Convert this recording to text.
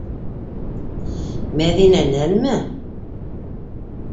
Мәҙинәнәнме?